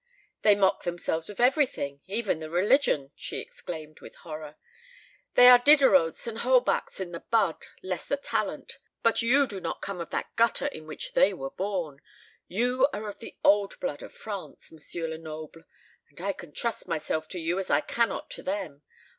"They mock themselves of everything even the religion!" she exclaimed, with horror. "They are Diderots and Holbachs in the bud, less the talent. But you do not come of that gutter in which they were born. You are of the old blood of France, M. Lenoble, and I can trust myself to you as I cannot to them.